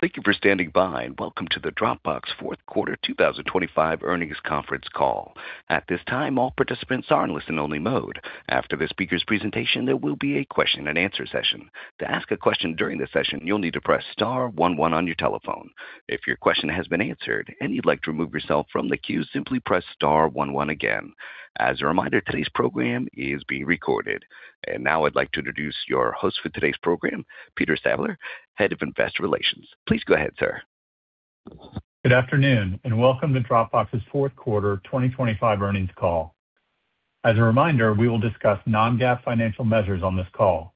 Thank you for standing by, and welcome to the Dropbox fourth quarter 2025 earnings conference call. At this time, all participants are in listen-only mode. After the speaker's presentation, there will be a question and answer session. To ask a question during the session, you'll need to press star one one on your telephone. If your question has been answered and you'd like to remove yourself from the queue, simply press star one one again. As a reminder, today's program is being recorded. And now I'd like to introduce your host for today's program, Peter Stabler, Head of Investor Relations. Please go ahead, sir. Good afternoon, and welcome to Dropbox's fourth quarter 2025 earnings call. As a reminder, we will discuss non-GAAP financial measures on this call.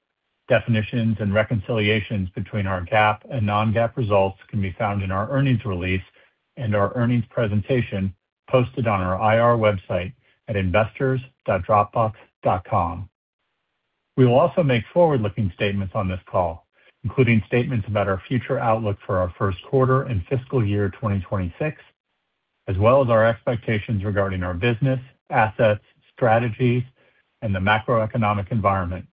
Definitions and reconciliations between our GAAP and non-GAAP results can be found in our earnings release and our earnings presentation posted on our IR website at investors.dropbox.com. We will also make forward-looking statements on this call, including statements about our future outlook for our first quarter and fiscal year 2026, as well as our expectations regarding our business, assets, strategies, and the macroeconomic environment.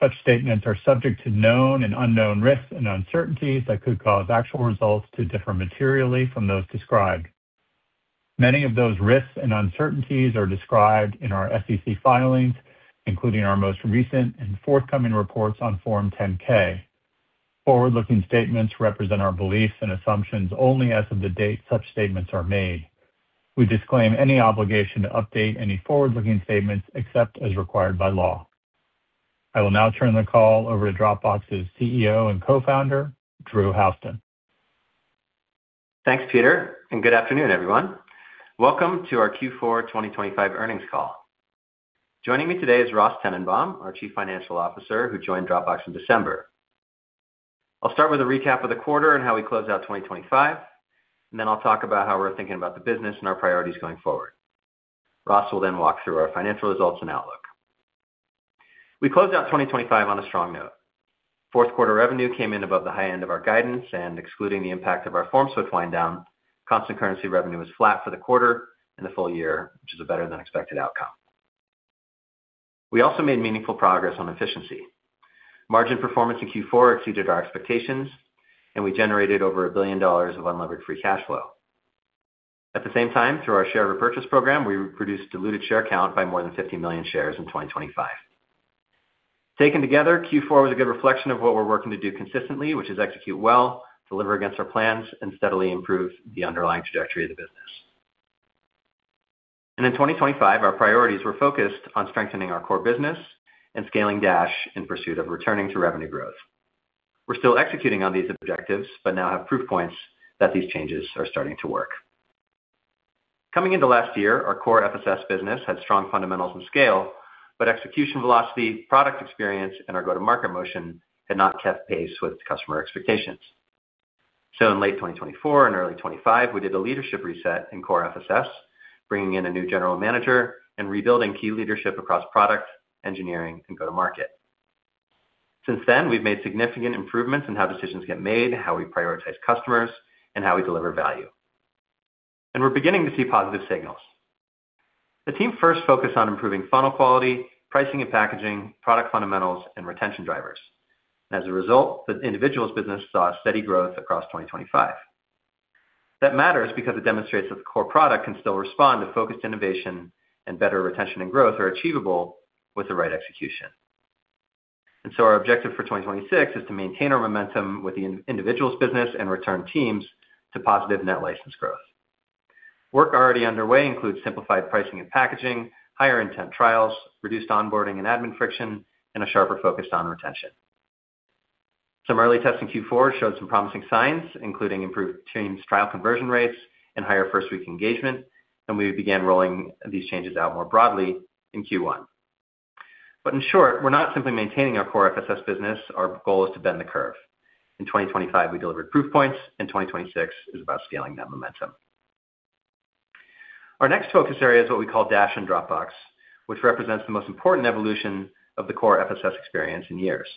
Such statements are subject to known and unknown risks and uncertainties that could cause actual results to differ materially from those described. Many of those risks and uncertainties are described in our SEC filings, including our most recent and forthcoming reports on Form 10-K. Forward-looking statements represent our beliefs and assumptions only as of the date such statements are made. We disclaim any obligation to update any forward-looking statements except as required by law. I will now turn the call over to Dropbox's CEO and Co-founder, Drew Houston. Thanks, Peter, and good afternoon, everyone. Welcome to our Q4 2025 earnings call. Joining me today is Ross Tennenbaum, our Chief Financial Officer, who joined Dropbox in December. I'll start with a recap of the quarter and how we closed out 2025, and then I'll talk about how we're thinking about the business and our priorities going forward. Ross will then walk through our financial results and outlook. We closed out 2025 on a strong note. Fourth quarter revenue came in above the high end of our guidance, and excluding the impact of our FormSwift wind down, constant currency revenue was flat for the quarter and the full year, which is a better-than-expected outcome. We also made meaningful progress on efficiency. Margin performance in Q4 exceeded our expectations, and we generated over $1 billion of unlevered free cash flow. At the same time, through our share repurchase program, we reduced diluted share count by more than 50 million shares in 2025. Taken together, Q4 was a good reflection of what we're working to do consistently, which is execute well, deliver against our plans, and steadily improve the underlying trajectory of the business. In 2025, our priorities were focused on strengthening our core business and scaling Dash in pursuit of returning to revenue growth. We're still executing on these objectives, but now have proof points that these changes are starting to work. Coming into last year, our core FSS business had strong fundamentals and scale, but execution velocity, product experience, and our go-to-market motion had not kept pace with customer expectations. So in late 2024 and early 2025, we did a leadership reset in core FSS, bringing in a new general manager and rebuilding key leadership across product, engineering, and go-to-market. Since then, we've made significant improvements in how decisions get made, how we prioritize customers, and how we deliver value. And we're beginning to see positive signals. The team first focused on improving funnel quality, pricing and packaging, product fundamentals, and retention drivers. As a result, the individuals business saw steady growth across 2025. That matters because it demonstrates that the core product can still respond to focused innovation, and better retention and growth are achievable with the right execution. And so our objective for 2026 is to maintain our momentum with the individuals business and return teams to positive net license growth. Work already underway includes simplified pricing and packaging, higher intent trials, reduced onboarding and admin friction, and a sharper focus on retention. Some early tests in Q4 showed some promising signs, including improved teams, trial conversion rates, and higher first-week engagement, and we began rolling these changes out more broadly in Q1. But in short, we're not simply maintaining our core FSS business. Our goal is to bend the curve. In 2025, we delivered proof points, in 2026 is about scaling that momentum. Our next focus area is what we call Dash and Dropbox, which represents the most important evolution of the core FSS experience in years.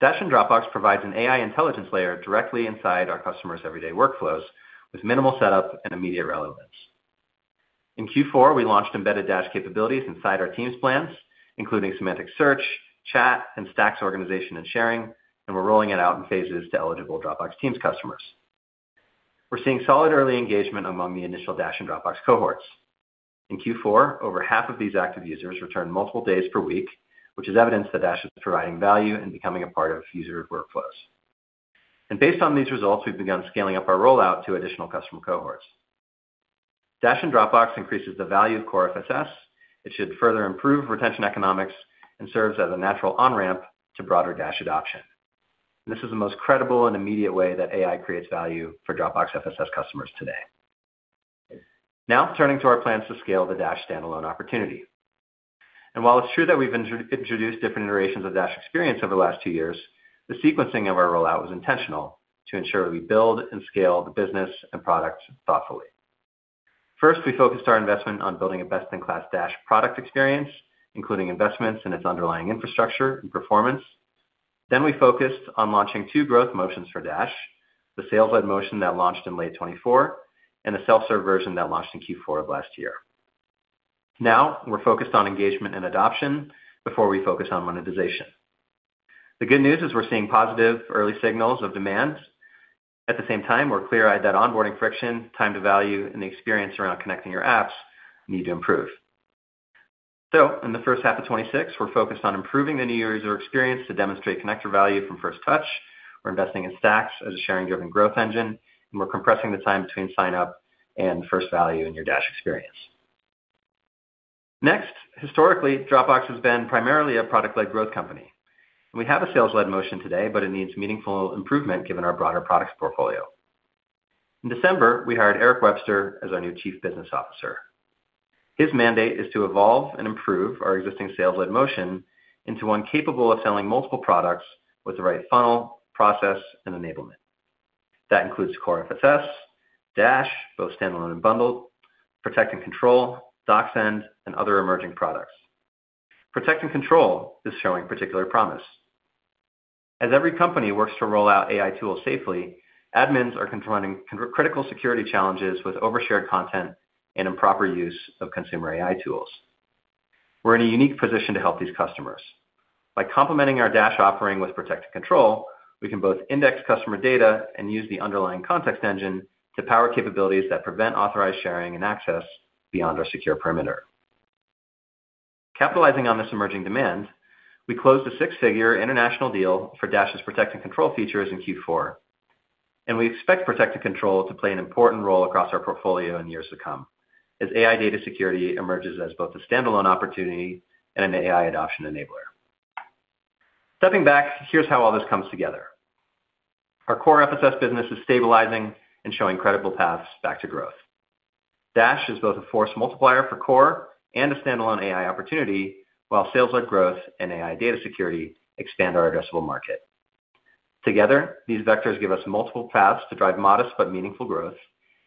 Dash and Dropbox provides an AI intelligence layer directly inside our customers' everyday workflows, with minimal setup and immediate relevance. In Q4, we launched embedded Dash capabilities inside our Teams plans, including semantic search, chat, and stacks, organization, and sharing, and we're rolling it out in phases to eligible Dropbox Teams customers. We're seeing solid early engagement among the initial Dash and Dropbox cohorts. In Q4, over half of these active users return multiple days per week, which is evidence that Dash is providing value and becoming a part of user workflows. Based on these results, we've begun scaling up our rollout to additional customer cohorts. Dash and Dropbox increases the value of core FSS. It should further improve retention economics and serves as a natural on-ramp to broader Dash adoption. This is the most credible and immediate way that AI creates value for Dropbox FSS customers today. Now, turning to our plans to scale the Dash standalone opportunity. While it's true that we've introduced different iterations of Dash experience over the last two years, the sequencing of our rollout was intentional to ensure we build and scale the business and product thoughtfully. First, we focused our investment on building a best-in-class Dash product experience, including investments in its underlying infrastructure and performance. Then we focused on launching two growth motions for Dash, the sales-led motion that launched in late 2024, and a self-serve version that launched in Q4 of last year. Now, we're focused on engagement and adoption before we focus on monetization. The good news is we're seeing positive early signals of demand. At the same time, we're clear-eyed that onboarding friction, time to value, and the experience around connecting your apps need to improve. So in the first half of 2026, we're focused on improving the new user experience to demonstrate connector value from first touch. We're investing in stacks as a sharing-driven growth engine, and we're compressing the time between sign-up and first value in your Dash experience. Next, historically, Dropbox has been primarily a product-led growth company. We have a sales-led motion today, but it needs meaningful improvement given our broader products portfolio. In December, we hired Eric Webster as our new Chief Business Officer. His mandate is to evolve and improve our existing sales-led motion into one capable of selling multiple products with the right funnel, process, and enablement. That includes core FSS, Dash, both standalone and bundled, Protect and Control, DocSend, and other emerging products. Protect and Control is showing particular promise. As every company works to roll out AI tools safely, admins are confronting critical security challenges with overshared content and improper use of consumer AI tools. We're in a unique position to help these customers. By complementing our Dash offering with Protect and Control, we can both index customer data and use the underlying Context Engine to power capabilities that prevent authorized sharing and access beyond our secure perimeter. Capitalizing on this emerging demand, we closed a six-figure international deal for Dash's Protect and Control features in Q4, and we expect Protect and Control to play an important role across our portfolio in years to come, as AI data security emerges as both a standalone opportunity and an AI adoption enabler. Stepping back, here's how all this comes together. Our core FSS business is stabilizing and showing credible paths back to growth. Dash is both a force multiplier for core and a standalone AI opportunity, while sales-led growth and AI data security expand our addressable market. Together, these vectors give us multiple paths to drive modest but meaningful growth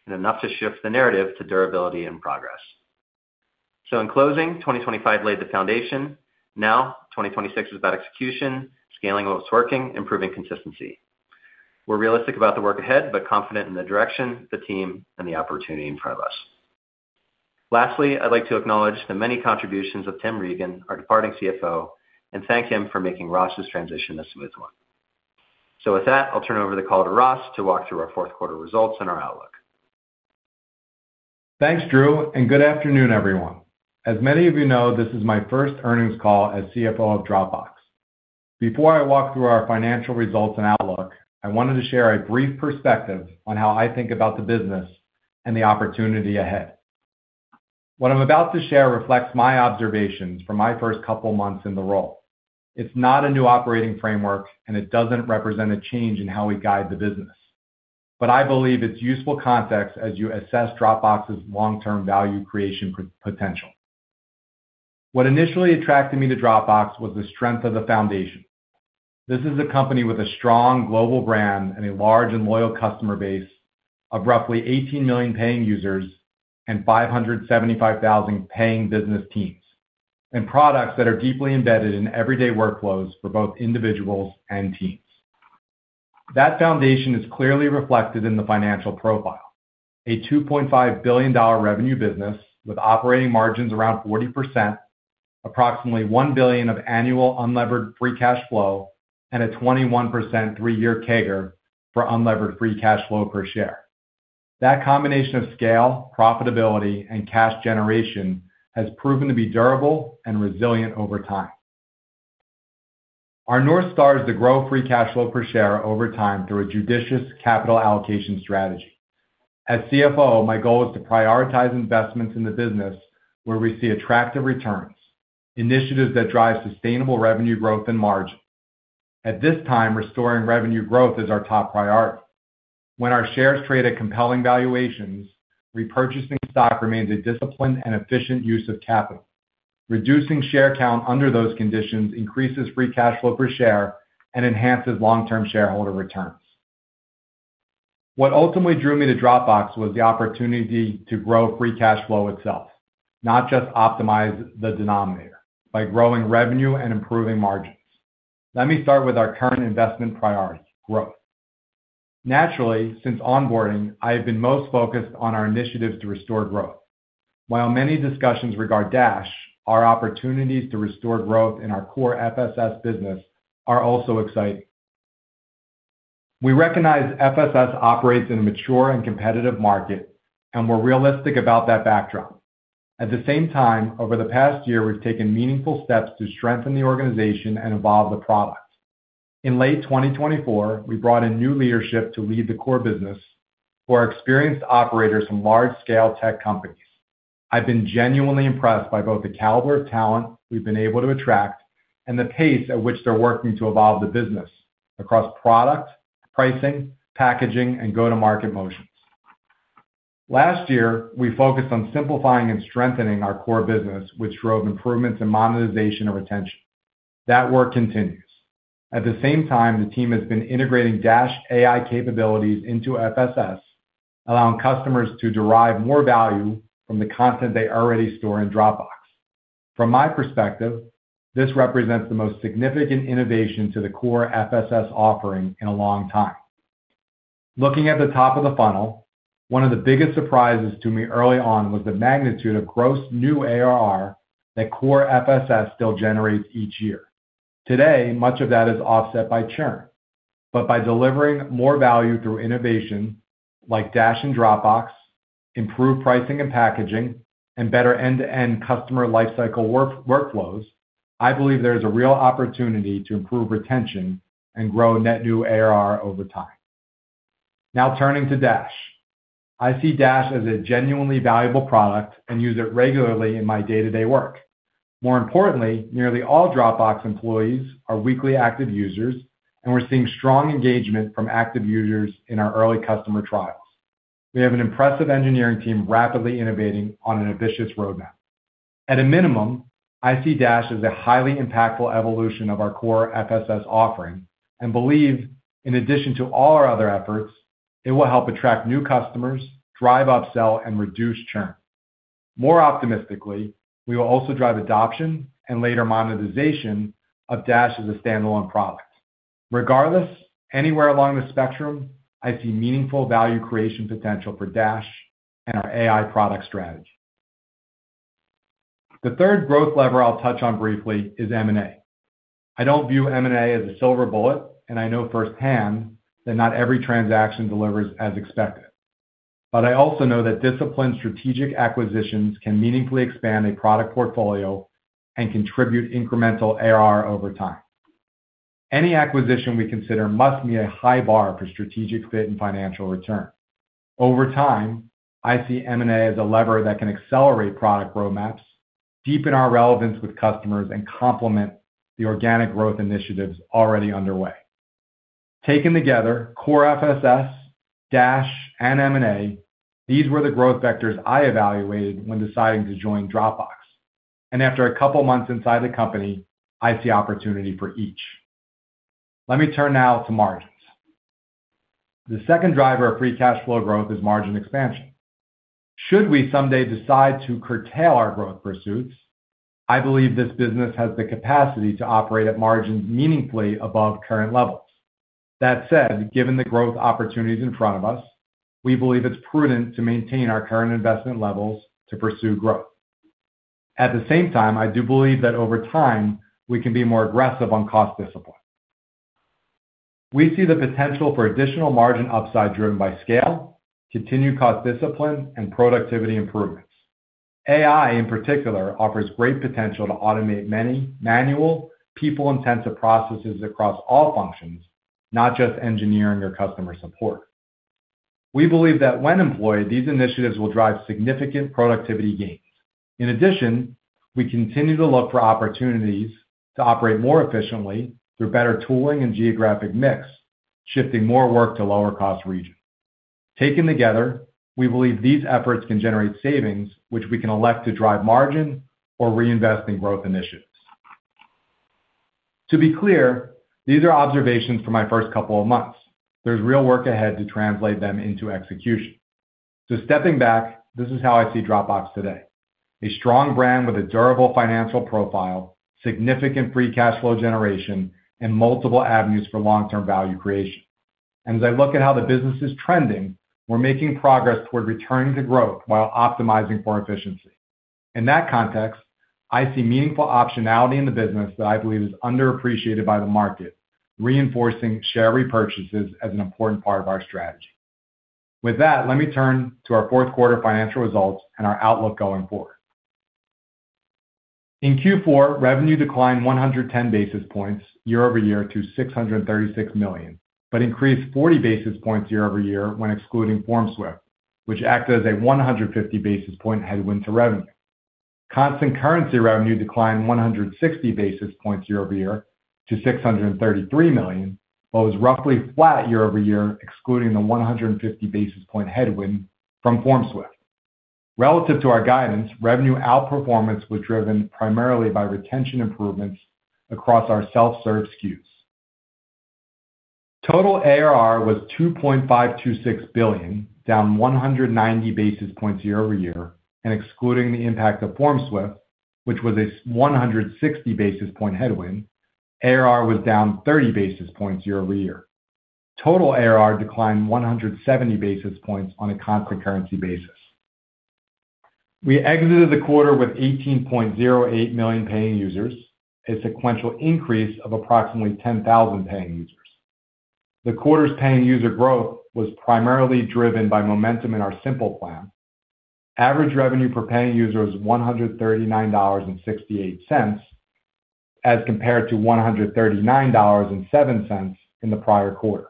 and enough to shift the narrative to durability and progress. So in closing, 2025 laid the foundation. Now, 2026 is about execution, scaling what's working, improving consistency. We're realistic about the work ahead, but confident in the direction, the team, and the opportunity in front of us. Lastly, I'd like to acknowledge the many contributions of Tim Regan, our departing CFO, and thank him for making Ross's transition a smooth one. So with that, I'll turn over the call to Ross to walk through our fourth quarter results and our outlook. Thanks, Drew, and good afternoon, everyone. As many of you know, this is my first earnings call as CFO of Dropbox. Before I walk through our financial results and outlook, I wanted to share a brief perspective on how I think about the business and the opportunity ahead. What I'm about to share reflects my observations from my first couple of months in the role. It's not a new operating framework, and it doesn't represent a change in how we guide the business, but I believe it's useful context as you assess Dropbox's long-term value creation potential. What initially attracted me to Dropbox was the strength of the foundation. This is a company with a strong global brand and a large and loyal customer base of roughly 18 million paying users and 575,000 paying business teams, and products that are deeply embedded in everyday workflows for both individuals and teams. That foundation is clearly reflected in the financial profile. A $2.5 billion revenue business with operating margins around 40%, approximately $1 billion of annual unlevered free cash flow, and a 21% 3-year CAGR for unlevered free cash flow per share. That combination of scale, profitability, and cash generation has proven to be durable and resilient over time. Our North Star is to grow free cash flow per share over time through a judicious capital allocation strategy. As CFO, my goal is to prioritize investments in the business where we see attractive returns, initiatives that drive sustainable revenue growth and margin. At this time, restoring revenue growth is our top priority. When our shares trade at compelling valuations, repurchasing stock remains a disciplined and efficient use of capital. Reducing share count under those conditions increases free cash flow per share and enhances long-term shareholder returns. What ultimately drew me to Dropbox was the opportunity to grow free cash flow itself, not just optimize the denominator by growing revenue and improving margins. Let me start with our current investment priority, growth. Naturally, since onboarding, I have been most focused on our initiatives to restore growth. While many discussions regarding Dash, our opportunities to restore growth in our core FSS business are also exciting. We recognize FSS operates in a mature and competitive market, and we're realistic about that backdrop. At the same time, over the past year, we've taken meaningful steps to strengthen the organization and evolve the product. In late 2024, we brought in new leadership to lead the core business, who are experienced operators from large-scale tech companies. I've been genuinely impressed by both the caliber of talent we've been able to attract and the pace at which they're working to evolve the business across product, pricing, packaging, and go-to-market motions. Last year, we focused on simplifying and strengthening our core business, which drove improvements in monetization of retention. That work continues. At the same time, the team has been integrating Dash AI capabilities into FSS, allowing customers to derive more value from the content they already store in Dropbox. From my perspective, this represents the most significant innovation to the core FSS offering in a long time. Looking at the top of the funnel, one of the biggest surprises to me early on was the magnitude of gross new ARR that core FSS still generates each year. Today, much of that is offset by churn, but by delivering more value through innovation like Dash and Dropbox, improved pricing and packaging, and better end-to-end customer lifecycle workflows, I believe there is a real opportunity to improve retention and grow net new ARR over time. Now, turning to Dash. I see Dash as a genuinely valuable product and use it regularly in my day-to-day work. More importantly, nearly all Dropbox employees are weekly active users, and we're seeing strong engagement from active users in our early customer trials. We have an impressive engineering team rapidly innovating on an ambitious roadmap. At a minimum, I see Dash as a highly impactful evolution of our core FSS offering and believe, in addition to all our other efforts, it will help attract new customers, drive upsell, and reduce churn. More optimistically, we will also drive adoption and later, monetization of Dash as a standalone product. Regardless, anywhere along the spectrum, I see meaningful value creation potential for Dash and our AI product strategy. The third growth lever I'll touch on briefly is M&A. I don't view M&A as a silver bullet, and I know firsthand that not every transaction delivers as expected. But I also know that disciplined strategic acquisitions can meaningfully expand a product portfolio and contribute incremental ARR over time. Any acquisition we consider must meet a high bar for strategic fit and financial return. Over time, I see M&A as a lever that can accelerate product roadmaps, deepen our relevance with customers, and complement the organic growth initiatives already underway. Taken together, core FSS, Dash, and M&A, these were the growth vectors I evaluated when deciding to join Dropbox, and after a couple of months inside the company, I see opportunity for each. Let me turn now to margins. The second driver of free cash flow growth is margin expansion. Should we someday decide to curtail our growth pursuits, I believe this business has the capacity to operate at margins meaningfully above current levels. That said, given the growth opportunities in front of us, we believe it's prudent to maintain our current investment levels to pursue growth. At the same time, I do believe that over time, we can be more aggressive on cost discipline. We see the potential for additional margin upside driven by scale, continued cost discipline, and productivity improvements. AI, in particular, offers great potential to automate many manual, people-intensive processes across all functions, not just engineering or customer support. We believe that when employed, these initiatives will drive significant productivity gains. In addition, we continue to look for opportunities to operate more efficiently through better tooling and geographic mix, shifting more work to lower-cost regions. Taken together, we believe these efforts can generate savings, which we can elect to drive margin or reinvest in growth initiatives. To be clear, these are observations from my first couple of months. There's real work ahead to translate them into execution. So stepping back, this is how I see Dropbox today: a strong brand with a durable financial profile, significant free cash flow generation, and multiple avenues for long-term value creation. As I look at how the business is trending, we're making progress toward returning to growth while optimizing for efficiency. In that context, I see meaningful optionality in the business that I believe is underappreciated by the market, reinforcing share repurchases as an important part of our strategy. With that, let me turn to our fourth quarter financial results and our outlook going forward. In Q4, revenue declined 110 basis points year-over-year to $636 million, but increased 40 basis points year-over-year when excluding FormSwift, which acted as a 150 basis point headwind to revenue. Constant currency revenue declined 160 basis points year-over-year to $633 million, while it was roughly flat year-over-year, excluding the 150 basis point headwind from FormSwift. Relative to our guidance, revenue outperformance was driven primarily by retention improvements across our self-serve SKUs. Total ARR was $2.526 billion, down 190 basis points year-over-year, and excluding the impact of FormSwift, which was a 160 basis point headwind, ARR was down 30 basis points year-over-year. Total ARR declined 170 basis points on a constant currency basis. We exited the quarter with 18.08 million paying users, a sequential increase of approximately 10,000 paying users. The quarter's paying user growth was primarily driven by momentum in our simple plan. Average revenue per paying user was $139.68, as compared to $139.07 in the prior quarter.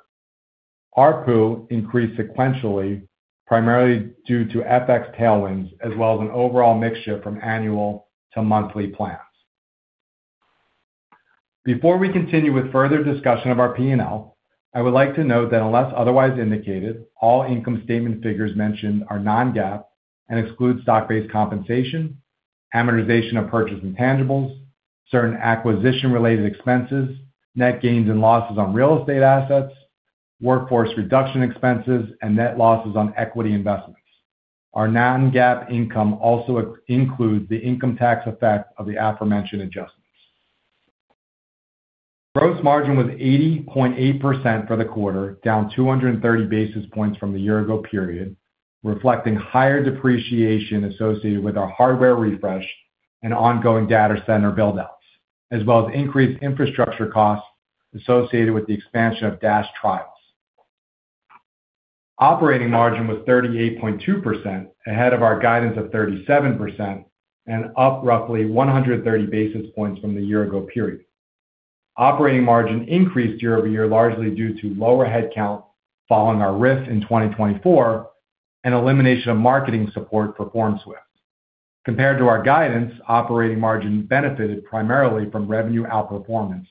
ARPU increased sequentially, primarily due to FX tailwinds, as well as an overall mix shift from annual to monthly plans. Before we continue with further discussion of our P&L, I would like to note that unless otherwise indicated, all income statement figures mentioned are non-GAAP and exclude stock-based compensation, amortization of purchased intangibles, certain acquisition-related expenses, net gains and losses on real estate assets, workforce reduction expenses, and net losses on equity investments. Our non-GAAP income also includes the income tax effect of the aforementioned adjustments. Gross margin was 80.8% for the quarter, down 230 basis points from the year ago period, reflecting higher depreciation associated with our hardware refresh and ongoing data center buildouts, as well as increased infrastructure costs associated with the expansion of Dash trials. Operating margin was 38.2%, ahead of our guidance of 37% and up roughly 130 basis points from the year ago period. Operating margin increased year-over-year, largely due to lower headcount following our RIF in 2024 and elimination of marketing support for FormSwift. Compared to our guidance, operating margin benefited primarily from revenue outperformance,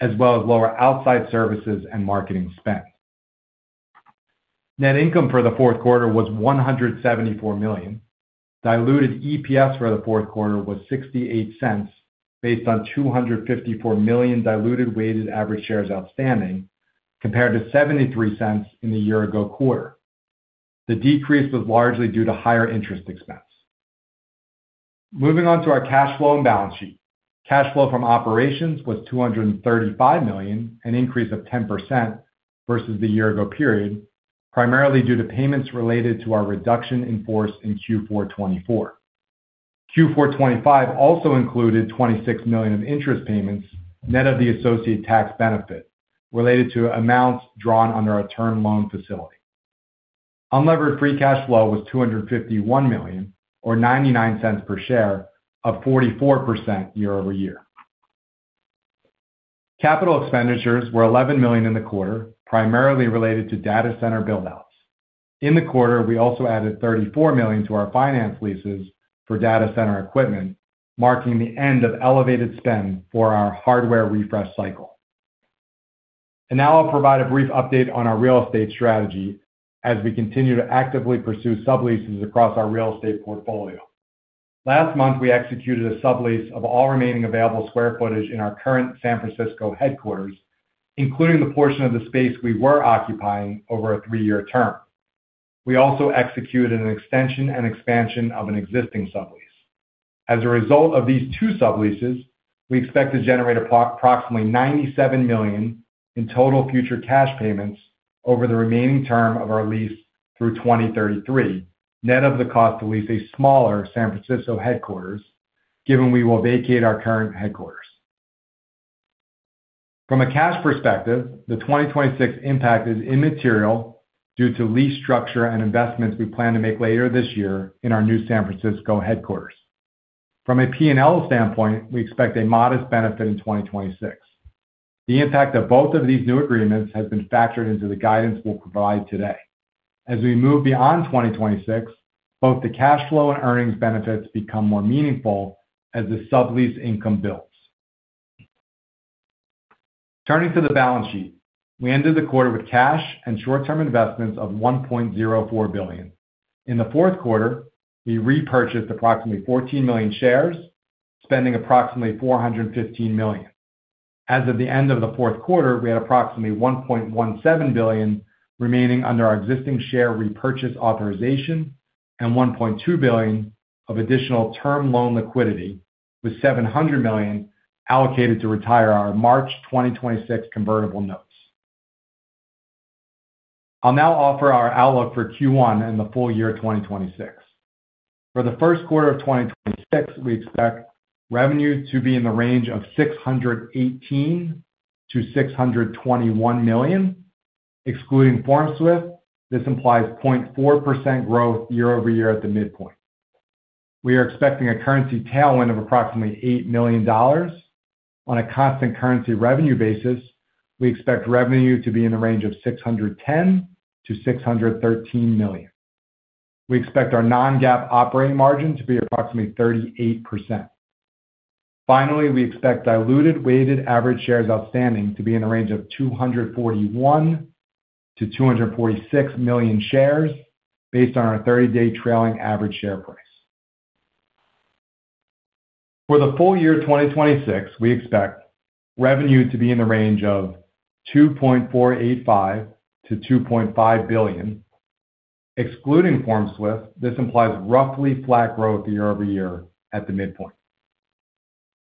as well as lower outside services and marketing spend. Net income for the fourth quarter was $174 million. Diluted EPS for the fourth quarter was $0.68, based on 254 million diluted weighted average shares outstanding, compared to $0.73 in the year ago quarter. The decrease was largely due to higher interest expense. Moving on to our cash flow and balance sheet. Cash flow from operations was $235 million, an increase of 10% versus the year ago period, primarily due to payments related to our reduction in force in Q4 2024. Q4 2025 also included $26 million of interest payments, net of the associated tax benefit, related to amounts drawn under our term loan facility. Unlevered free cash flow was $251 million, or $0.99 per share, up 44% year-over-year. Capital expenditures were $11 million in the quarter, primarily related to data center buildouts. In the quarter, we also added $34 million to our finance leases for data center equipment, marking the end of elevated spend for our hardware refresh cycle. Now I'll provide a brief update on our real estate strategy as we continue to actively pursue subleases across our real estate portfolio. Last month, we executed a sublease of all remaining available square footage in our current San Francisco headquarters, including the portion of the space we were occupying over a three-year term. We also executed an extension and expansion of an existing sublease. As a result of these two subleases, we expect to generate approximately $97 million in total future cash payments over the remaining term of our lease through 2033, net of the cost to lease a smaller San Francisco headquarters, given we will vacate our current headquarters. From a cash perspective, the 2026 impact is immaterial due to lease structure and investments we plan to make later this year in our new San Francisco headquarters. From a P&L standpoint, we expect a modest benefit in 2026. The impact of both of these new agreements has been factored into the guidance we'll provide today. As we move beyond 2026, both the cash flow and earnings benefits become more meaningful as the sublease income builds. Turning to the balance sheet. We ended the quarter with cash and short-term investments of $1.04 billion. In the fourth quarter, we repurchased approximately 14 million shares, spending approximately $415 million. As of the end of the fourth quarter, we had approximately $1.17 billion remaining under our existing share repurchase authorization and $1.2 billion of additional term loan liquidity, with $700 million allocated to retire our March 2026 convertible notes. I'll now offer our outlook for Q1 and the full year 2026. For the first quarter of 2026, we expect revenue to be in the range of $618 million-$621 million. Excluding FormSwift, this implies 0.4% growth year-over-year at the midpoint. We are expecting a currency tailwind of approximately $8 million. On a constant currency revenue basis, we expect revenue to be in the range of $610 million-$613 million. We expect our non-GAAP operating margin to be approximately 38%. Finally, we expect diluted weighted average shares outstanding to be in the range of 241 million-246 million shares, based on our 30-day trailing average share price. For the full year 2026, we expect revenue to be in the range of $2.485 billion-$2.5 billion. Excluding FormSwift, this implies roughly flat growth year-over-year at the midpoint.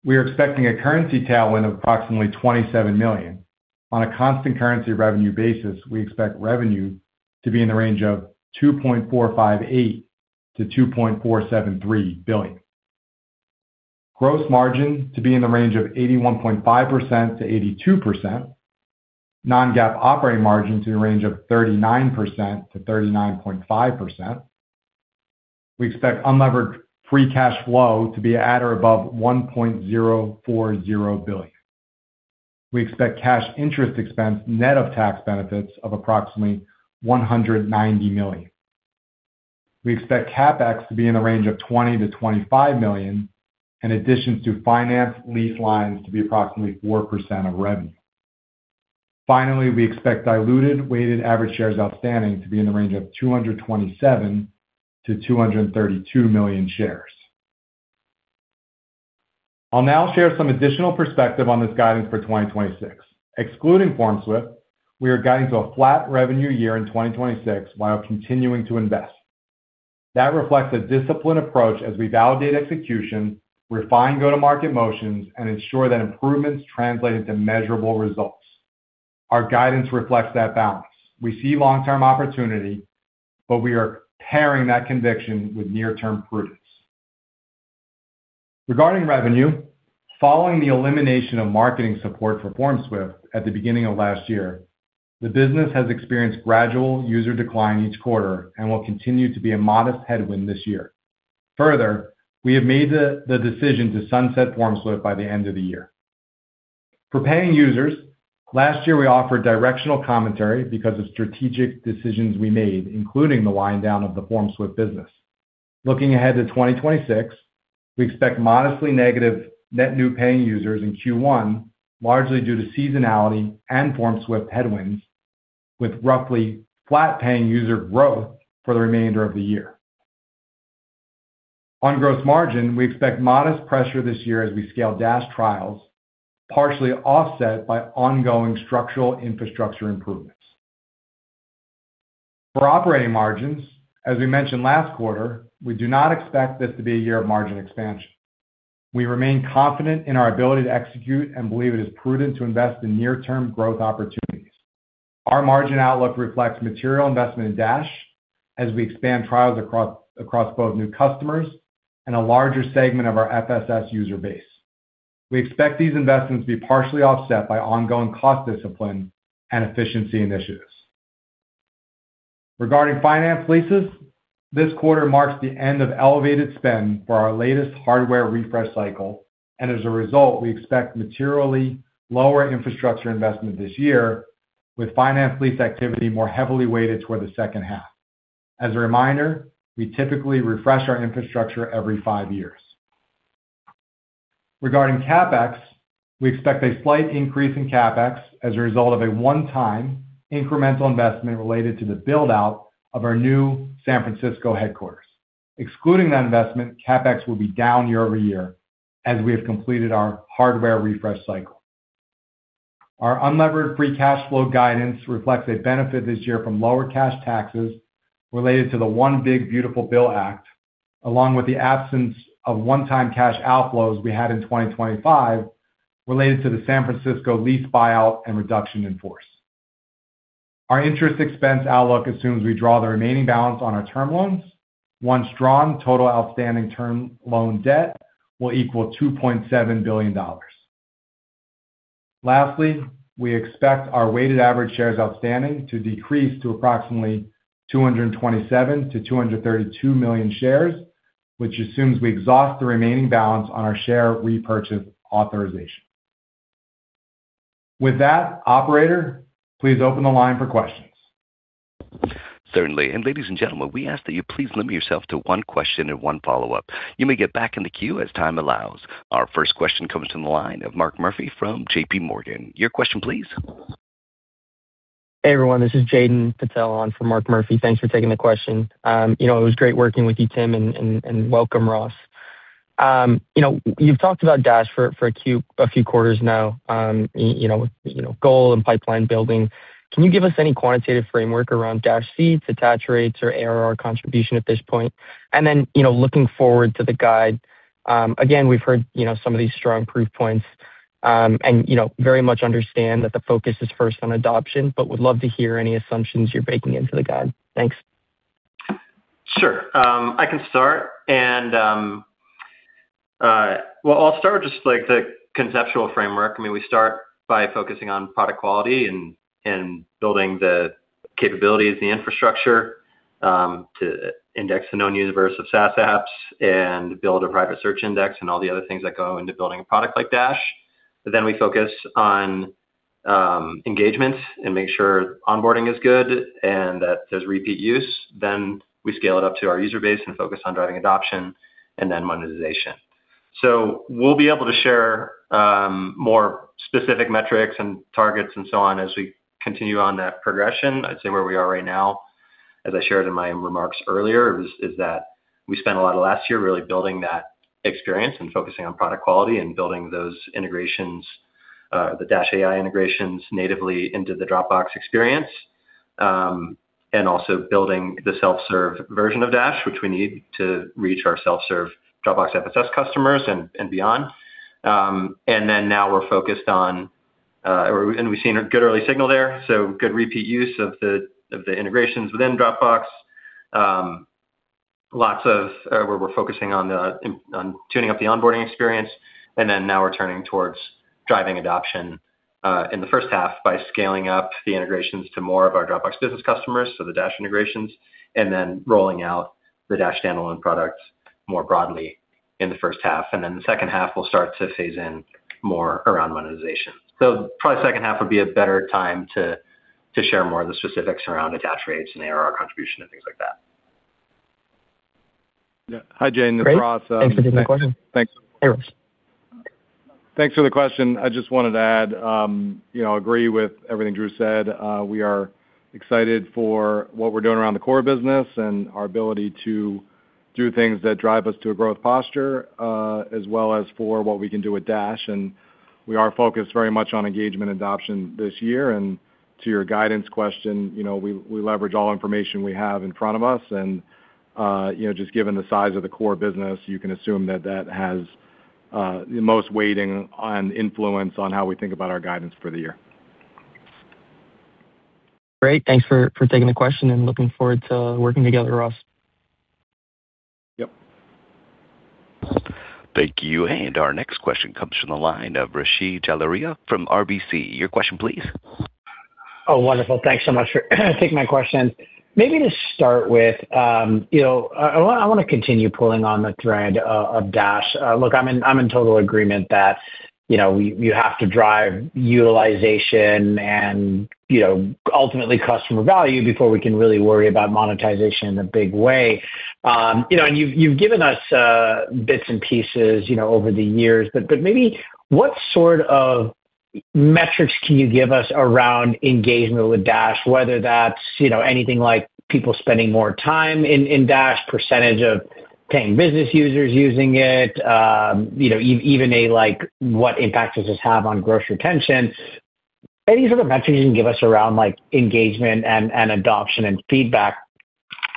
We are expecting a currency tailwind of approximately $27 million. On a constant currency revenue basis, we expect revenue to be in the range of $2.458 billion-$2.473 billion. Gross margin to be in the range of 81.5%-82%. Non-GAAP operating margin to the range of 39%-39.5%. We expect unlevered free cash flow to be at or above $1.040 billion. We expect cash interest expense net of tax benefits of approximately $190 million. We expect CapEx to be in the range of $20 million-$25 million, in addition to finance lease lines to be approximately 4% of revenue. Finally, we expect diluted weighted average shares outstanding to be in the range of 227-232 million shares. I'll now share some additional perspective on this guidance for 2026. Excluding FormSwift, we are guiding to a flat revenue year in 2026 while continuing to invest. That reflects a disciplined approach as we validate execution, refine go-to-market motions, and ensure that improvements translate into measurable results. Our guidance reflects that balance. We see long-term opportunity, but we are pairing that conviction with near-term prudence. Regarding revenue, following the elimination of marketing support for FormSwift at the beginning of last year, the business has experienced gradual user decline each quarter and will continue to be a modest headwind this year. Further, we have made the decision to sunset FormSwift by the end of the year. For paying users, last year, we offered directional commentary because of strategic decisions we made, including the wind down of the FormSwift business. Looking ahead to 2026, we expect modestly negative net new paying users in Q1, largely due to seasonality and FormSwift headwinds, with roughly flat paying user growth for the remainder of the year. On gross margin, we expect modest pressure this year as we scale Dash trials, partially offset by ongoing structural infrastructure improvements. For operating margins, as we mentioned last quarter, we do not expect this to be a year of margin expansion. We remain confident in our ability to execute and believe it is prudent to invest in near-term growth opportunities. Our margin outlook reflects material investment in Dash as we expand trials across both new customers and a larger segment of our FSS user base. We expect these investments to be partially offset by ongoing cost discipline and efficiency initiatives. Regarding finance leases, this quarter marks the end of elevated spend for our latest hardware refresh cycle, and as a result, we expect materially lower infrastructure investment this year, with finance lease activity more heavily weighted toward the second half. As a reminder, we typically refresh our infrastructure every five years. Regarding CapEx, we expect a slight increase in CapEx as a result of a one-time incremental investment related to the build-out of our new San Francisco headquarters. Excluding that investment, CapEx will be down year-over-year as we have completed our hardware refresh cycle. Our unlevered free cash flow guidance reflects a benefit this year from lower cash taxes related to the One Big Beautiful Bill Act, along with the absence of one-time cash outflows we had in 2025 related to the San Francisco lease buyout and reduction in force. Our interest expense outlook assumes we draw the remaining balance on our term loans. Once our total outstanding term loan debt will equal $2.7 billion. Lastly, we expect our weighted average shares outstanding to decrease to approximately 227-232 million shares, which assumes we exhaust the remaining balance on our share repurchase authorization. With that, operator, please open the line for questions. Certainly. And ladies and gentlemen, we ask that you please limit yourself to one question and one follow-up. You may get back in the queue as time allows. Our first question comes from the line of Mark Murphy from JPMorgan. Your question, please. Hey, everyone, this is Jaiden Patel on for Mark Murphy. Thanks for taking the question. You know, it was great working with you, Tim, and welcome, Ross. You know, you've talked about Dash for a few quarters now, you know, with goal and pipeline building. Can you give us any quantitative framework around Dash seats, attach rates, or ARR contribution at this point? And then, you know, looking forward to the guide, again, we've heard you know, some of these strong proof points, and you know, very much understand that the focus is first on adoption, but would love to hear any assumptions you're baking into the guide. Thanks. Sure. I can start. Well, I'll start with just, like, the conceptual framework. I mean, we start by focusing on product quality and building the capabilities, the infrastructure, to index the known universe of SaaS apps and build a private search index and all the other things that go into building a product like Dash. But then we focus on engagement and make sure onboarding is good and that there's repeat use. Then we scale it up to our user base and focus on driving adoption and then monetization. So we'll be able to share more specific metrics and targets and so on as we continue on that progression. I'd say where we are right now, as I shared in my remarks earlier, is that we spent a lot of last year really building that experience and focusing on product quality and building those integrations, the Dash AI integrations natively into the Dropbox experience, and also building the self-serve version of Dash, which we need to reach our self-serve Dropbox FSS customers and beyond. And then now we're focused on, and we've seen a good early signal there, so good repeat use of the integrations within Dropbox. Lots of where we're focusing on tuning up the onboarding experience, and then now we're turning towards driving adoption in the first half by scaling up the integrations to more of our Dropbox business customers, so the Dash integrations, and then rolling out the Dash standalone product more broadly in the first half. And then the second half, we'll start to phase in more around monetization. So probably second half would be a better time to share more of the specifics around attach rates and ARR contribution and things like that. Yeah. Hi, Jay, and Ross- Thanks for taking the question. Thanks. Hey, Ross. Thanks for the question. I just wanted to add, you know, I agree with everything Drew said. We are excited for what we're doing around the core business and our ability to do things that drive us to a growth posture, as well as for what we can do with Dash. We are focused very much on engagement adoption this year. To your guidance question, you know, we, we leverage all information we have in front of us, and, you know, just given the size of the core business, you can assume that that has, the most weighting on influence on how we think about our guidance for the year. Great. Thanks for taking the question, and looking forward to working together, Ross. Yep. Thank you. Our next question comes from the line of Rishi Jaluria from RBC. Your question, please. Oh, wonderful. Thanks so much for taking my question. Maybe to start with, you know, I wanna, I wanna continue pulling on the thread of Dash. Look, I'm in, I'm in total agreement that, you know, we- you have to drive utilization and, you know, ultimately customer value before we can really worry about monetization in a big way. You know, and you've, you've given us bits and pieces, you know, over the years, but, but maybe what sort of metrics can you give us around engagement with Dash? Whether that's, you know, anything like people spending more time in Dash, percentage of paying business users using it, you know, even a like, what impact does this have on gross retention? Any sort of metrics you can give us around, like, engagement and adoption and feedback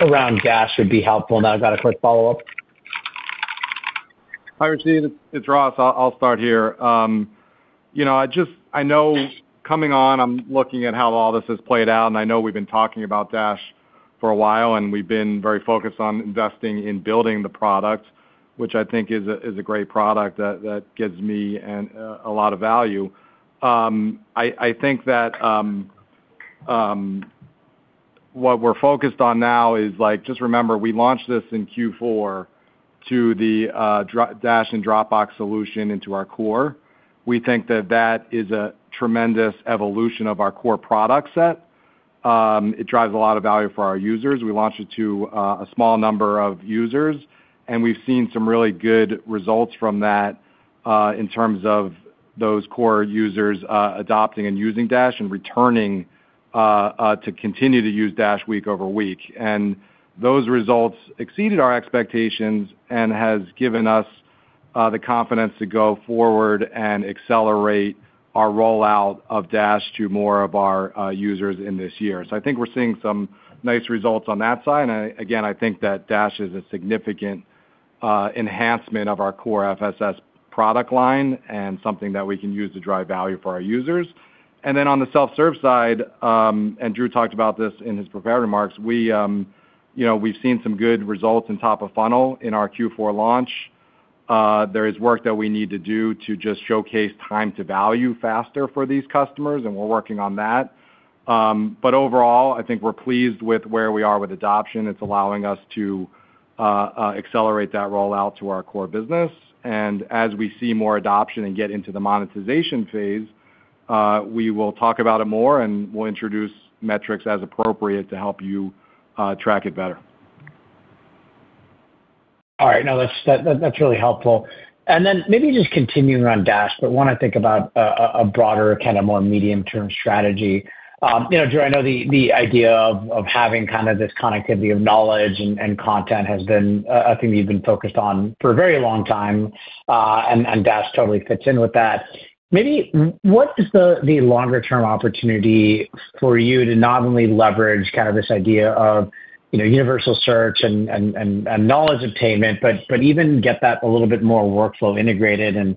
around Dash would be helpful. And I've got a quick follow-up. Hi, Rishi, it's Ross. I'll start here. You know, I just, I know coming on, I'm looking at how all this has played out, and I know we've been talking about Dash for a while, and we've been very focused on investing in building the product, which I think is a great product that gives me a lot of value. I think that what we're focused on now is, like, just remember, we launched this in Q4 to the Dash and Dropbox solution into our core. We think that that is a tremendous evolution of our core product set. It drives a lot of value for our users. We launched it to a small number of users, and we've seen some really good results from that in terms of those core users adopting and using Dash and returning to continue to use Dash week over week. And those results exceeded our expectations and has given us the confidence to go forward and accelerate our rollout of Dash to more of our users in this year. So I think we're seeing some nice results on that side. And again, I think that Dash is a significant enhancement of our core FSS product line and something that we can use to drive value for our users. And then on the self-serve side, and Drew talked about this in his prepared remarks, we, you know, we've seen some good results in top of funnel in our Q4 launch. There is work that we need to do to just showcase time to value faster for these customers, and we're working on that. But overall, I think we're pleased with where we are with adoption. It's allowing us to accelerate that rollout to our core business. As we see more adoption and get into the monetization phase, we will talk about it more, and we'll introduce metrics as appropriate to help you track it better. All right. No, that's really helpful. And then maybe just continuing on Dash, but wanna think about a broader, kind of more medium-term strategy. You know, Drew, I know the idea of having kind of this connectivity of knowledge and content has been a thing you've been focused on for a very long time, and Dash totally fits in with that. Maybe what is the longer-term opportunity for you to not only leverage kind of this idea of, you know, universal search and knowledge obtainment, but even get that a little bit more workflow integrated and,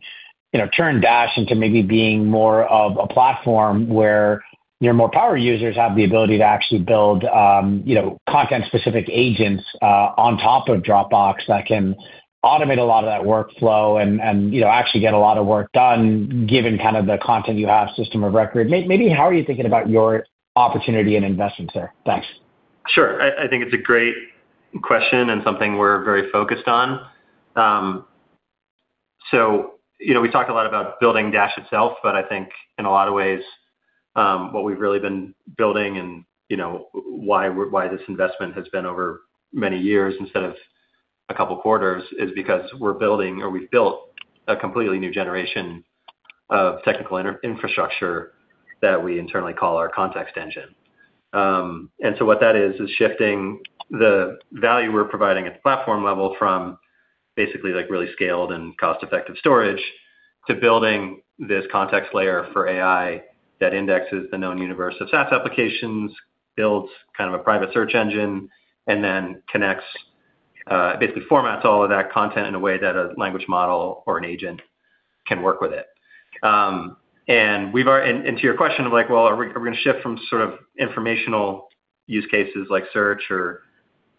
you know, turn Dash into maybe being more of a platform where your more power users have the ability to actually build, you know, content-specific agents on top of Dropbox that can automate a lot of that workflow and, you know, actually get a lot of work done, given kind of the content you have, system of record. Maybe how are you thinking about your opportunity and investment there? Thanks. Sure. I think it's a great question and something we're very focused on. So, you know, we talked a lot about building Dash itself, but I think in a lot of ways, what we've really been building and, you know, why this investment has been over many years instead of a couple quarters, is because we're building or we've built a completely new generation of technical infrastructure that we internally call our Context Engine. And so what that is, is shifting the value we're providing at the platform level from basically, like, really scaled and cost-effective storage, to building this context layer for AI that indexes the known universe of SaaS applications, builds kind of a private search engine, and then connects, basically formats all of that content in a way that a language model or an agent can work with it. And we've, and to your question of like, well, are we, are we gonna shift from sort of informational use cases like search or,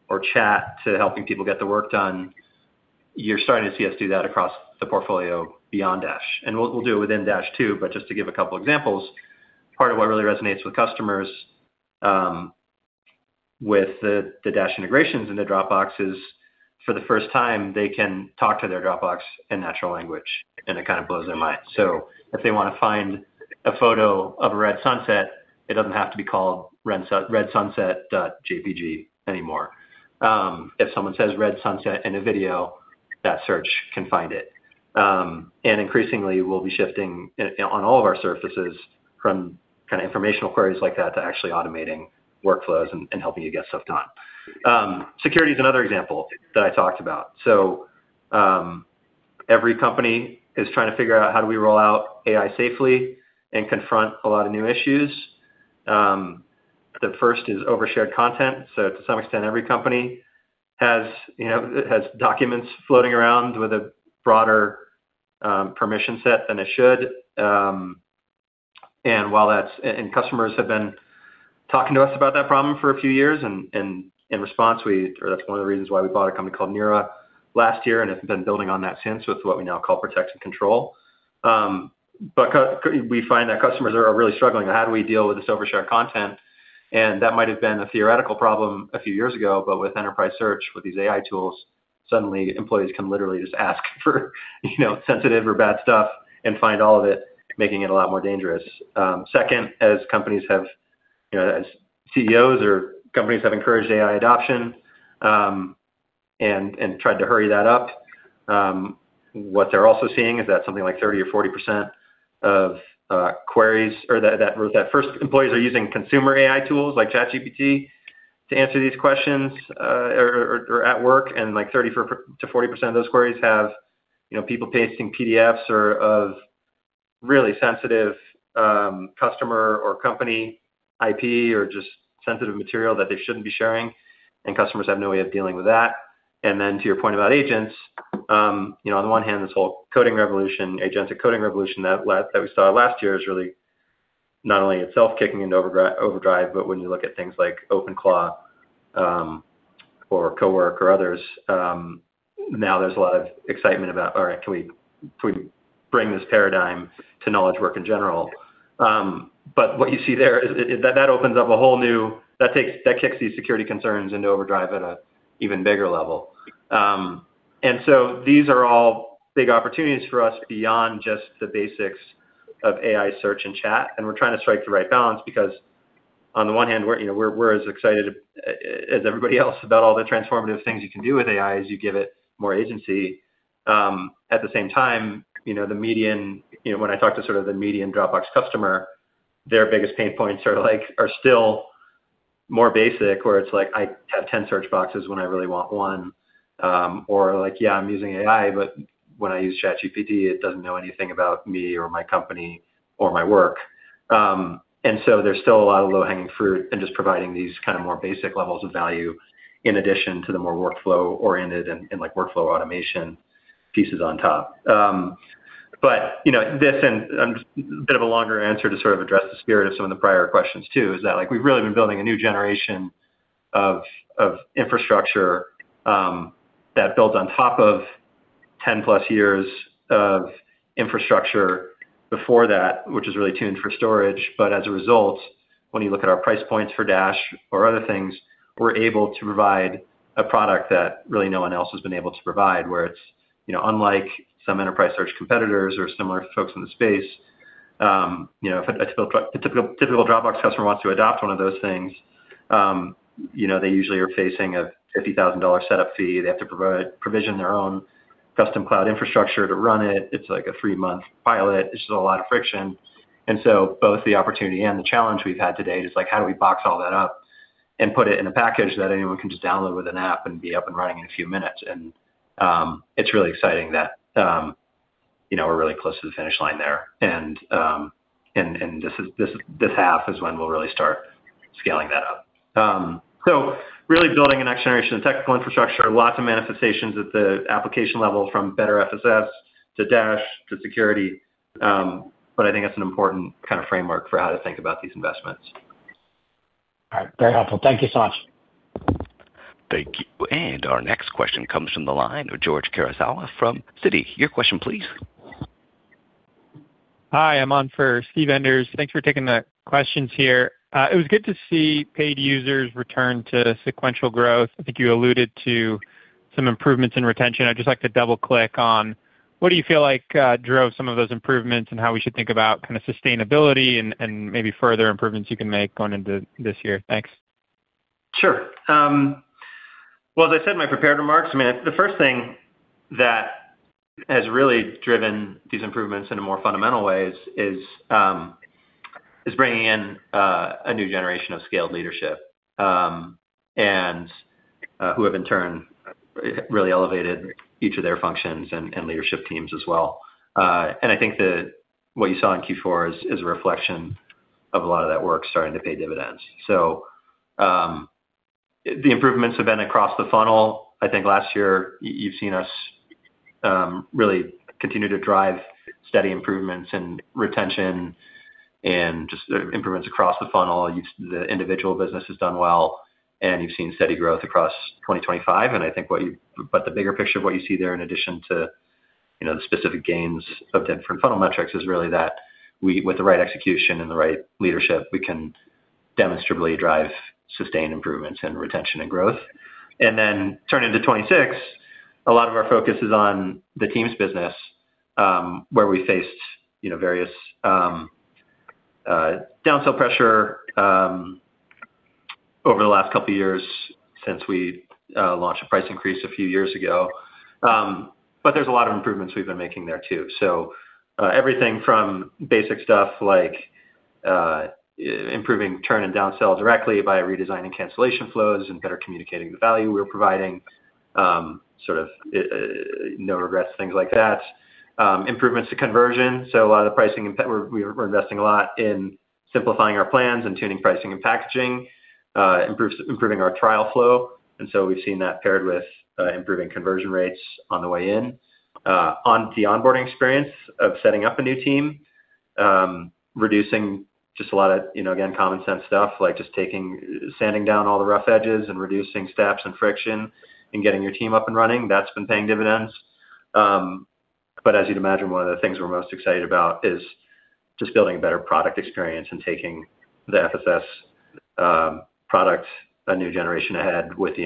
or chat to helping people get the work done? You're starting to see us do that across the portfolio beyond Dash. We'll do it within Dash, too, but just to give a couple examples, part of what really resonates with customers with the Dash integrations into Dropbox is, for the first time, they can talk to their Dropbox in natural language, and it kind of blows their mind. So if they wanna find a photo of a red sunset, it doesn't have to be called redsunset.jpg anymore. If someone says red sunset in a video, that search can find it. And increasingly, we'll be shifting on all of our surfaces from kinda informational queries like that to actually automating workflows and helping you get stuff done. Security is another example that I talked about. So every company is trying to figure out how do we roll out AI safely and confront a lot of new issues. The first is overshared content. So to some extent, every company has, you know, has documents floating around with a broader permission set than it should. And while that's and customers have been talking to us about that problem for a few years, and in response, or that's one of the reasons why we bought a company called Nira last year, and have been building on that since with what we now call Protect and Control. But we find that customers are really struggling on how do we deal with this overshared content, and that might have been a theoretical problem a few years ago, but with enterprise search, with these AI tools, suddenly employees can literally just ask for, you know, sensitive or bad stuff and find all of it, making it a lot more dangerous. Second, as companies have, you know, as CEOs or companies have encouraged AI adoption, and tried to hurry that up, what they're also seeing is that something like 30 or 40% of queries or that first employees are using consumer AI tools like ChatGPT to answer these questions, or at work, and like 30%-40% of those queries have, you know, people pasting PDFs or of really sensitive, customer or company IP or just sensitive material that they shouldn't be sharing, and customers have no way of dealing with that. And then to your point about agents, you know, on the one hand, this whole coding revolution, agentic coding revolution that we saw last year is really not only itself kicking into overdrive, but when you look at things like OpenClaw, or Cowork or others, now there's a lot of excitement about, all right, can we, can we bring this paradigm to knowledge work in general? But what you see there is that opens up a whole new that kicks these security concerns into overdrive at an even bigger level. And so these are all big opportunities for us beyond just the basics of AI search and chat. And we're trying to strike the right balance, because on the one hand, we're, you know, as excited as everybody else about all the transformative things you can do with AI as you give it more agency. At the same time, you know, the median, you know, when I talk to sort of the median Dropbox customer, their biggest pain points are like still more basic, where it's like, "I have 10 search boxes when I really want one," or like, "Yeah, I'm using AI, but when I use ChatGPT, it doesn't know anything about me or my company or my work." And so there's still a lot of low-hanging fruit and just providing these kind of more basic levels of value in addition to the more workflow-oriented and like workflow automation pieces on top. But, you know, this and bit of a longer answer to sort of address the spirit of some of the prior questions too, is that like we've really been building a new generation of infrastructure that builds on top of 10+ years of infrastructure before that, which is really tuned for storage. But as a result, when you look at our price points for Dash or other things, we're able to provide a product that really no one else has been able to provide, where it's, you know, unlike some enterprise search competitors or similar folks in the space, you know, if a typical Dropbox customer wants to adopt one of those things, you know, they usually are facing a $50,000 setup fee. They have to provision their own custom cloud infrastructure to run it. It's like a three-month pilot. It's just a lot of friction. And so both the opportunity and the challenge we've had to date is like, how do we box all that up and put it in a package that anyone can just download with an app and be up and running in a few minutes? And, it's really exciting that, you know, we're really close to the finish line there. And this half is when we'll really start scaling that up. So really building a next generation of technical infrastructure, lots of manifestations at the application level, from better FSS to Dash to security, but I think that's an important kind of framework for how to think about these investments. All right. Very helpful. Thank you so much. Thank you. Our next question comes from the line of George Kurosawa from Citi. Your question, please. Hi, I'm on for Steve Enders. Thanks for taking the questions here. It was good to see paid users return to sequential growth. I think you alluded to some improvements in retention. I'd just like to double-click on what do you feel like drove some of those improvements, and how we should think about kind of sustainability and maybe further improvements you can make going into this year? Thanks. Sure. Well, as I said in my prepared remarks, I mean, the first thing that has really driven these improvements in a more fundamental way is bringing in a new generation of scaled leadership, and who have in turn really elevated each of their functions and leadership teams as well. And I think that what you saw in Q4 is a reflection of a lot of that work starting to pay dividends. So, the improvements have been across the funnel. I think last year, you've seen us really continue to drive steady improvements in retention and just improvements across the funnel. The individual business has done well, and you've seen steady growth across 2025. But the bigger picture of what you see there, in addition to, you know, the specific gains of different funnel metrics, is really that we, with the right execution and the right leadership, we can demonstrably drive sustained improvements in retention and growth. Then turning to 2026, a lot of our focus is on the teams business, where we faced, you know, various downsell pressure over the last couple of years since we launched a price increase a few years ago. But there's a lot of improvements we've been making there too. So, everything from basic stuff like improving churn and downsell directly by redesigning cancellation flows and better communicating the value we're providing, sort of no regrets things like that. Improvements to conversion. So a lot of the pricing and we're investing a lot in simplifying our plans and tuning pricing and packaging, improving our trial flow. And so we've seen that paired with improving conversion rates on the way in. On the onboarding experience of setting up a new team, reducing just a lot of, you know, again, common sense stuff, like just sanding down all the rough edges and reducing steps and friction and getting your team up and running. That's been paying dividends. But as you'd imagine, one of the things we're most excited about is just building a better product experience and taking the FSS product a new generation ahead with the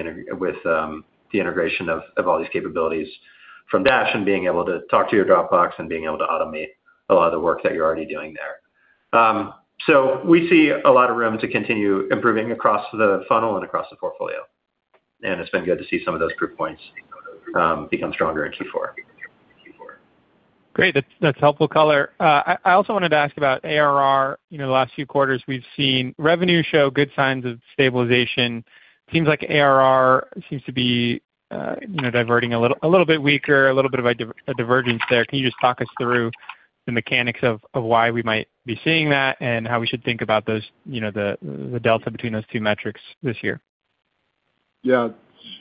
integration of all these capabilities from Dash and being able to talk to your Dropbox and being able to automate a lot of the work that you're already doing there. So we see a lot of room to continue improving across the funnel and across the portfolio, and it's been good to see some of those proof points become stronger in Q4. Great. That's, that's helpful color. I also wanted to ask about ARR. You know, the last few quarters, we've seen revenue show good signs of stabilization. Seems like ARR seems to be, you know, diverting a little, a little bit weaker, a little bit of a divergence there. Can you just talk us through the mechanics of why we might be seeing that and how we should think about those, you know, the delta between those two metrics this year? Yeah,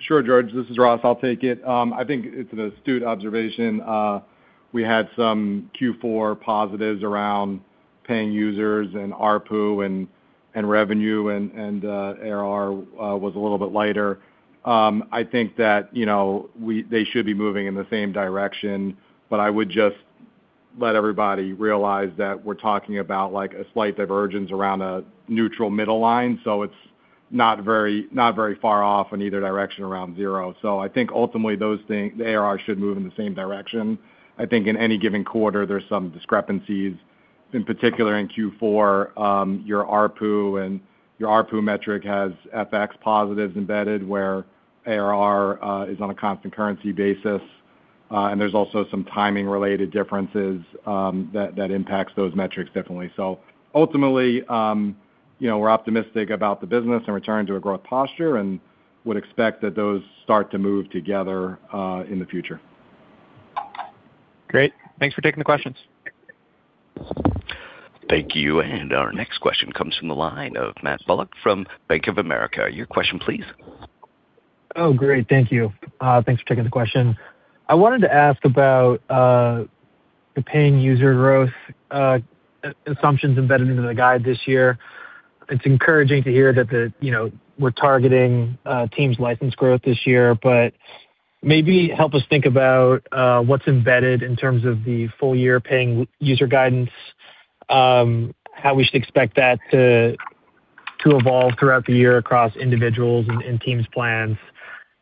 sure, George, this is Ross. I'll take it. I think it's an astute observation. We had some Q4 positives around paying users and ARPU and revenue, and ARR was a little bit lighter. I think that, you know, they should be moving in the same direction, but I would just let everybody realize that we're talking about, like, a slight divergence around a neutral middle line, so it's not very, not very far off in either direction around zero. So I think ultimately, those things, the ARR, should move in the same direction. I think in any given quarter, there's some discrepancies. In particular, in Q4, your ARPU metric has FX positives embedded, where ARR is on a constant currency basis. And there's also some timing-related differences that impacts those metrics differently. Ultimately, you know, we're optimistic about the business and return to a growth posture, and would expect that those start to move together, in the future. Great. Thanks for taking the questions. Thank you. Our next question comes from the line of Matt Bullock from Bank of America. Your question, please. Oh, great. Thank you. Thanks for taking the question. I wanted to ask about the paying user growth assumptions embedded into the guide this year. It's encouraging to hear that the, you know, we're targeting teams' license growth this year, but maybe help us think about what's embedded in terms of the full year paying user guidance, how we should expect that to evolve throughout the year across individuals and teams' plans,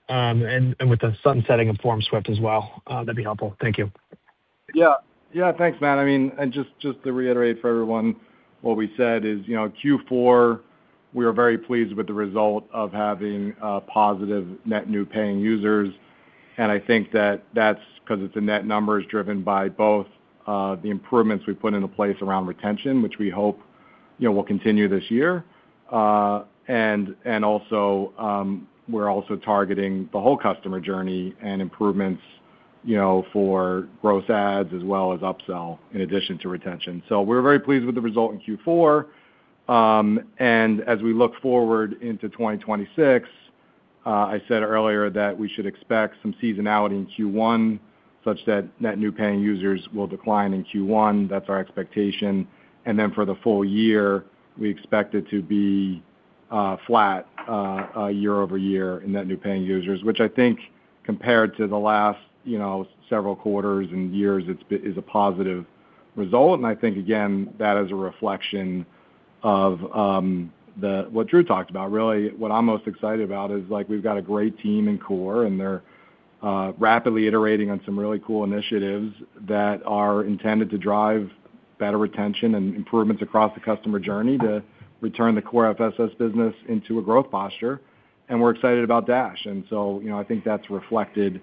and with the sunsetting of FormSwift as well. That'd be helpful. Thank you. Yeah. Yeah, thanks, Matt. I mean, and just to reiterate for everyone, what we said is, you know, Q4, we are very pleased with the result of having positive net new paying users, and I think that that's because it's a net number is driven by both the improvements we've put into place around retention, which we hope, you know, will continue this year. And also we're also targeting the whole customer journey and improvements, you know, for gross adds as well as upsell in addition to retention. So we're very pleased with the result in Q4. And as we look forward into 2026, I said earlier that we should expect some seasonality in Q1, such that net new paying users will decline in Q1. That's our expectation. And then for the full year, we expect it to be flat year-over-year in net new paying users, which I think compared to the last, you know, several quarters and years, it is a positive result. And I think, again, that is a reflection of what Drew talked about. Really, what I'm most excited about is, like, we've got a great team in Core, and they're rapidly iterating on some really cool initiatives that are intended to drive better retention and improvements across the customer journey to return the core FSS business into a growth posture. And we're excited about Dash. And so, you know, I think that's reflected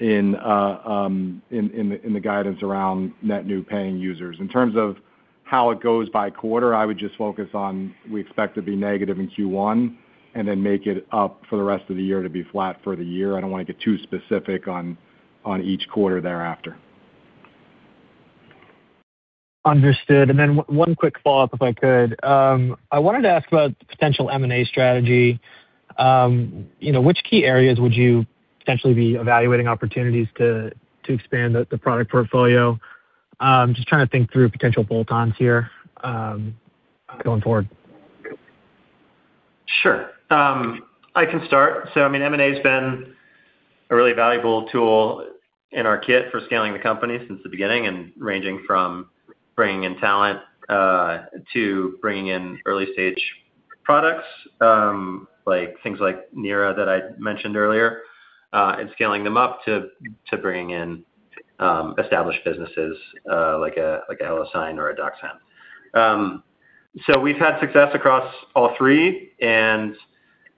in the guidance around net new paying users. In terms of how it goes by quarter, I would just focus on we expect to be negative in Q1, and then make it up for the rest of the year to be flat for the year. I don't want to get too specific on each quarter thereafter. Understood. And then one quick follow-up, if I could. I wanted to ask about the potential M&A strategy. You know, which key areas would you potentially be evaluating opportunities to expand the product portfolio? Just trying to think through potential bolt-ons here, going forward. Sure. I can start. So I mean, M&A's been a really valuable tool in our kit for scaling the company since the beginning, and ranging from bringing in talent to bringing in early-stage products like things like Nira that I mentioned earlier and scaling them up to bringing in established businesses like HelloSign or DocSend. So we've had success across all three, and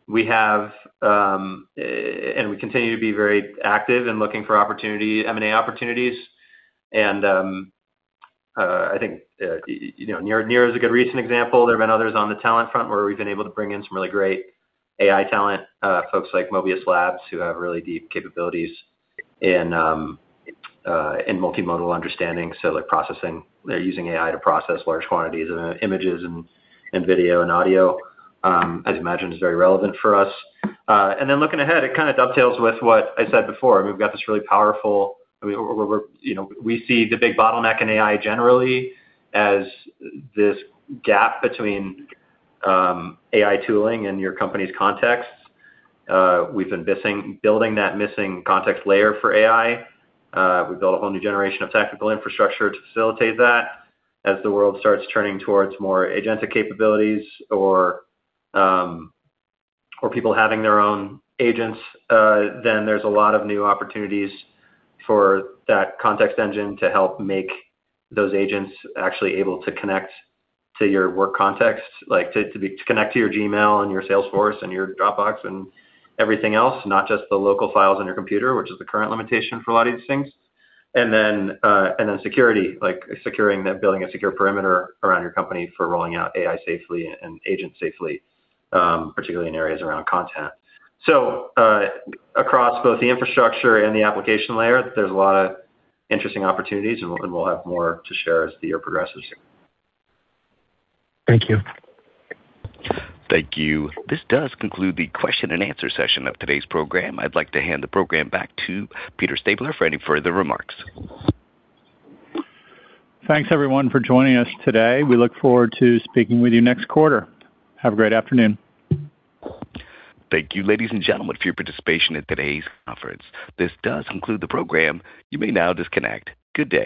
we have, and we continue to be very active in looking for opportunity, M&A opportunities. And, I think, you know, Nira is a good recent example. There have been others on the talent front where we've been able to bring in some really great AI talent, folks like Mobius Labs, who have really deep capabilities in multimodal understanding. So like processing, they're using AI to process large quantities of images and video and audio, as you imagine, is very relevant for us. And then looking ahead, it kind of dovetails with what I said before. We've got this really powerful, I mean, we're, you know, we see the big bottleneck in AI generally as this gap between AI tooling and your company's context. We've been building that missing context layer for AI. We built a whole new generation of technical infrastructure to facilitate that. As the world starts turning towards more agentic capabilities or, or people having their own agents, then there's a lot of new opportunities for that Context Engine to help make those agents actually able to connect to your work context, like, to connect to your Gmail and your Salesforce and your Dropbox and everything else, not just the local files on your computer, which is the current limitation for a lot of these things. And then, and then security, like securing that, building a secure perimeter around your company for rolling out AI safely and agent safely, particularly in areas around content. So, across both the infrastructure and the application layer, there's a lot of interesting opportunities, and we'll, and we'll have more to share as the year progresses. Thank you. Thank you. This does conclude the question and answer session of today's program. I'd like to hand the program back to Peter Stabler for any further remarks. Thanks, everyone, for joining us today. We look forward to speaking with you next quarter. Have a great afternoon. Thank you, ladies and gentlemen, for your participation in today's conference. This does conclude the program. You may now disconnect. Good day.